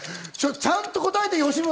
ちゃんと答えて、吉村！